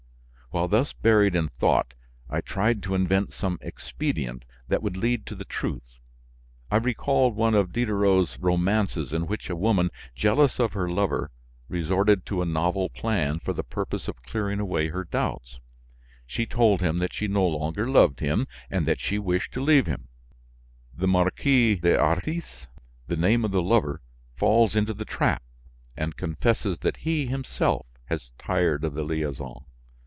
While thus buried in thought, I tried to invent some expedient that would lead to the truth, I recalled one of Diderot's romances in which a woman, jealous of her lover, resorted to a novel plan, for the purpose of clearing away her doubts. She told him that she no longer loved him and that she wished to leave him. The Marquis des Arcis, the name of the lover, falls into the trap, and confesses that he, himself, has tired of the liaison.